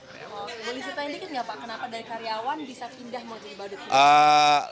boleh ceritain dikit nggak pak kenapa dari karyawan bisa pindah menjadi badut